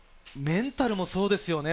メンタルもそうですよね。